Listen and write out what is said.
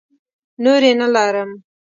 نورې نه لرم.